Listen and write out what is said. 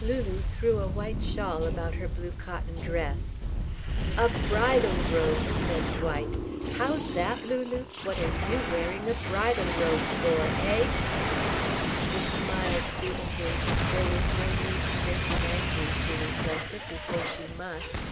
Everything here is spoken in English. Lulu threw a white shawl about her blue cotton dress. "A bridal robe," said Dwight. "How's that, Lulu what are you wearing a bridal robe for eh?" She smiled dutifully. There was no need to make him angry, she reflected, before she must.